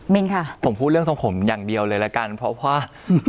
นค่ะผมพูดเรื่องทรงผมอย่างเดียวเลยละกันเพราะว่า